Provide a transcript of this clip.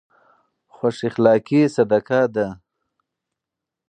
خوش اخلاقي صدقه ده.